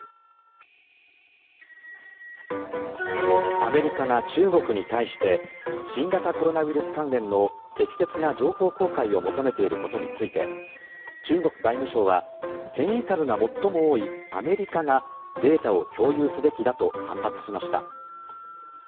アメリカが中国に対して新型コロナウイルス関連の適切な情報公開を求めていることについて中国外務省は変異株が最も多いアメリカがデータを共有すべきだと反発しました。